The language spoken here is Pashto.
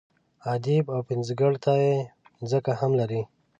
ادیب او پنځګر ته یې ځکه هم لري.